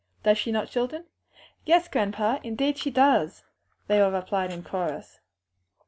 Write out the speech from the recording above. Does she not, children?" "Yes, grandpa, indeed she does!" they replied in chorus.